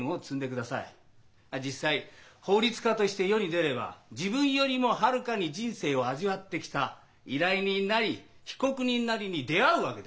実際法律家として世に出れば自分よりもはるかに人生を味わってきた依頼人なり被告人なりに出会うわけですからね。